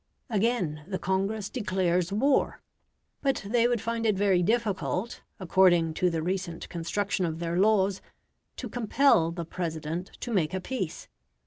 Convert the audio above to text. Again, the Congress declares war, but they would find it very difficult, according to the recent construction of their laws, to compel the President to make a peace.